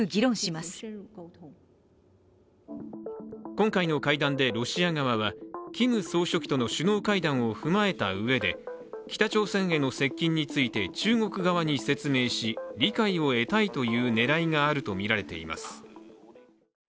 今回の会談でロシア側はキム総書記との首脳会談を踏まえたうえで北朝鮮への接近について中国側に説明し理解を得たいという狙いがあるとみられています。